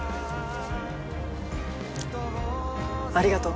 ありがとう！